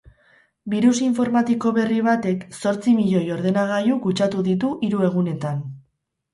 Birus informatiko berri batek zortzi milioi ordenagailu kutsatu ditu hiru egunetan.